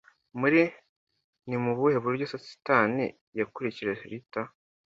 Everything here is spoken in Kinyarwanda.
Muri Ni mu buhe buryo Stan yakurikije Rita?